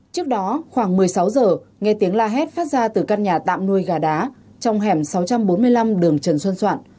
trước đó khoảng một mươi sáu giờ nghe tiếng la hét phát ra từ căn nhà tạm nuôi gà đá trong hẻm sáu trăm bốn mươi năm đường trần xuân soạn